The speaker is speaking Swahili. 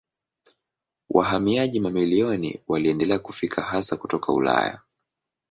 Wahamiaji mamilioni waliendelea kufika hasa kutoka Ulaya.